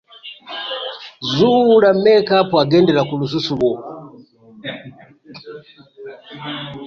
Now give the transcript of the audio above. Zuula mekaapu agendera ku lususu lwo.